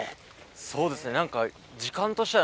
そうですね何か。